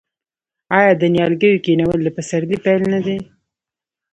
آیا د نیالګیو کینول د پسرلي پیل نه دی؟